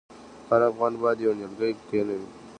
هر افغان باید یو نیالګی کینوي؟